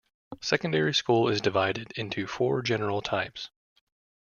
Secondary school is divided into four general types.